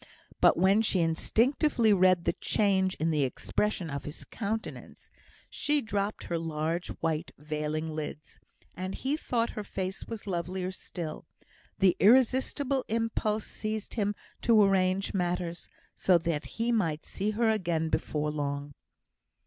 But when she instinctively read the change in the expression of his countenance, she dropped her large white veiling lids; and he thought her face was lovelier still. The irresistible impulse seized him to arrange matters so that he might see her again before long.